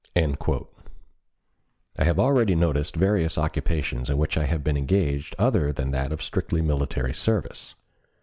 I have already noticed various occupations in which I have been engaged other than of a strictly military service.